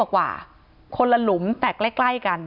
ที่มีข่าวเรื่องน้องหายตัว